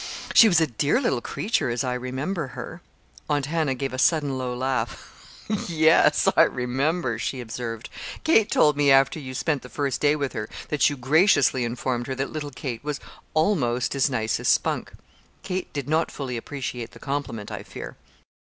She was a dear little creature, as I remember her." Aunt Hannah gave a sudden low laugh. "Yes, I remember," she observed. "Kate told me, after you spent the first day with her, that you graciously informed her that little Kate was almost as nice as Spunk. Kate did not fully appreciate the compliment, I fear."